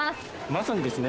まさにですね